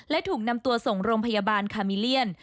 และถูกนำตัวส่งโรงพยาบาลคามิเลียน